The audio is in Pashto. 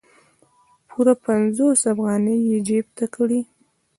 پوره پنځوس افغانۍ یې جیب ته کړې.